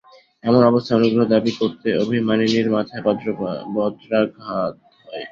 এমন অবস্থায় অনুগ্রহ দাবি করতে অভিমানিনীর মাথায় বজ্রাঘাত হয়।